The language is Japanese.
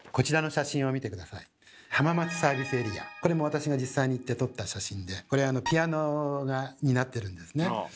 これも私が実際に行って撮った写真でこれピアノになってるんですね。